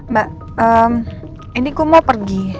mbak ini ku mau pergi